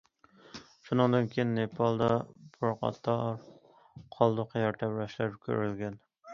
شۇنىڭدىن كېيىن نېپالدا بىر قاتار قالدۇق يەر تەۋرەشلەر كۆرۈلگەن.